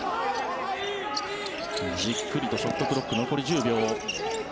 じっくりとショットクロック残り１０秒。